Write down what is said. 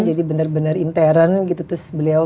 jadi benar benar intern terus beliau